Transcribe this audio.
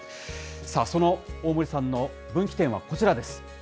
さあ、その大森さんの分岐点はこちらです。